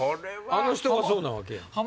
あの人がそうなわけやんか。